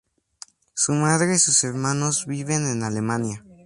Su madre y sus hermanos viven en Alemania.